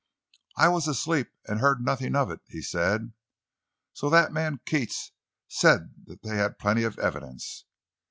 "I was asleep, and heard nothing of it," he said. "So that man Keats said they had plenty of evidence!